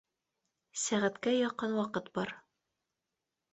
Сәғәткә яҡын ваҡыт бар